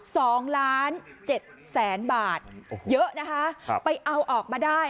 สองล้านเจ็ดแสนบาทเยอะนะคะครับไปเอาออกมาได้